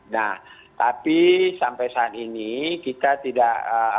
nah tapi sampai saat ini kita tidak